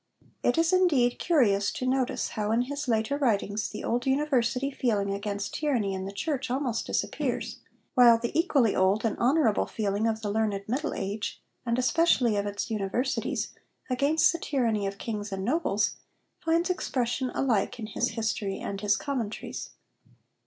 It is, indeed, curious to notice how in his later writings the old university feeling against tyranny in the Church almost disappears, while the equally old and honourable feeling of the learned Middle Age, and especially of its universities, against the tyranny of kings and nobles, finds expression alike in his history and his commentaries.